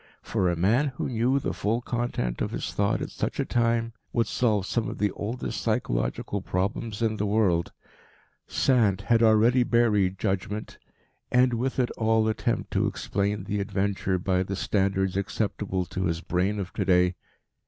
For a man who knew the full content of his thought at such a time would solve some of the oldest psychological problems in the world. Sand had already buried judgment, and with it all attempt to explain the adventure by the standards acceptable to his brain of to day.